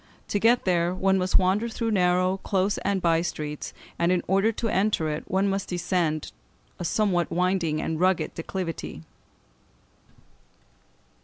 To get there one must wander through narrow, close, and by streets; and in order to enter it, one must descend a somewhat winding and rugged declivity.